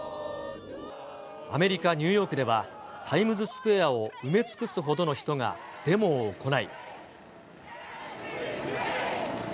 アメリカ・ニューヨークでは、タイムズスクエアを埋め尽くすほどの人がデモを行い。